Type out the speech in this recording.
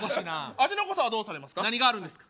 味の濃さはどうされますか？